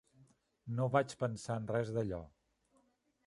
No vaig pensar en res d'allò.